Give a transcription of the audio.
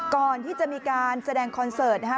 ก่อนที่จะมีการแสดงคอนเสิร์ตนะฮะ